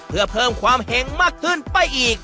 เพื่อเพิ่มความเห็งมากขึ้นไปอีก